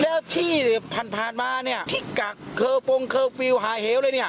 แล้วที่ผ่านมาที่กักเคอร์โปรงเคอร์ฟิวหายเฮวเลย